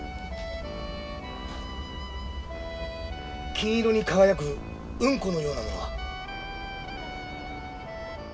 金色に輝くウンコのようなものが。